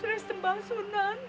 terus sembah sunan